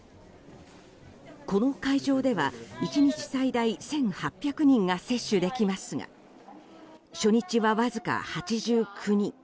この会場では１日最大１８００人が接種できますが初日はわずか８９人。